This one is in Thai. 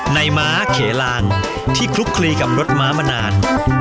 ม้าเขลานที่คลุกคลีกับรถม้ามานาน